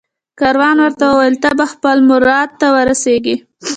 کاروان ورته وویل ته به خپل مراد ته ورسېږې